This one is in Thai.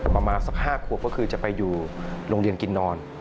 ประมาณสัก๕ขวบก็คือจะไปอยู่โรงเรียนกินนอน